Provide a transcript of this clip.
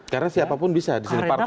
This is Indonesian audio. karena siapapun bisa di sini